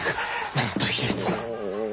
なんと卑劣な！